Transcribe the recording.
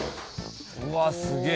うわすげぇ。